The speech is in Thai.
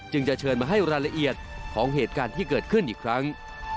จะเชิญมาให้รายละเอียดของเหตุการณ์ที่เกิดขึ้นอีกครั้ง